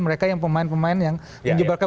mereka yang pemain pemain yang menyebabkan